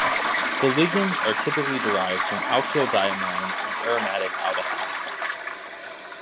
The ligands are typically derived from alkyl diamines and aromatic aldehydes.